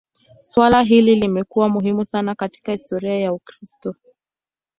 Suala hili limekuwa muhimu sana katika historia ya Ukristo.